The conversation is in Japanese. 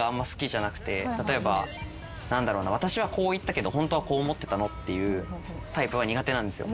例えば「私はこう言ったけどホントはこう思ってたの」っていうタイプは苦手なんですよ。